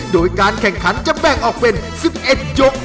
โดยการแข่งขันจะแบ่งออกเป็น๑๑ยก